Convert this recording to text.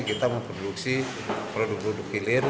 kita memproduksi produk produk hilir